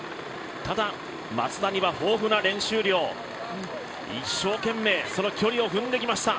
ただ松田には豊富な練習量一生懸命、その距離を踏んできました。